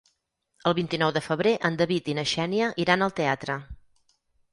El vint-i-nou de febrer en David i na Xènia iran al teatre.